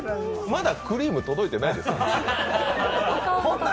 まだ、クリーム届いてないですよね？